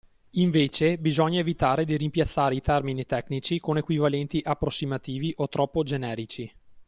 Invece bisogna evitare di rimpiazzare i termini tecnici con equivalenti approssimativi o troppo generici.